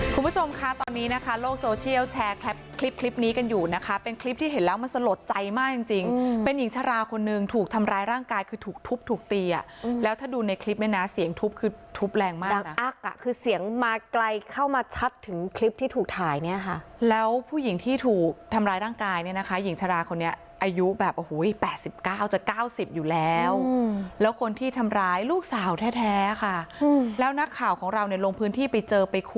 คุณผู้ชมค่ะตอนนี้นะคะโลกโซเชียลแชร์คลิปคลิปนี้กันอยู่นะคะเป็นคลิปที่เห็นแล้วมันสะหรับใจมากจริงจริงเป็นหญิงชราคนนึงถูกทำร้ายร่างกายคือถูกทุบถูกตีอ่ะแล้วถ้าดูในคลิปนี้นะเสียงทุบคือทุบแรงมากน่ะดังอักอ่ะคือเสียงมาไกลเข้ามาชัดถึงคลิปที่ถูกถ่ายเนี้ยค่ะแล้วผู้หญิงที่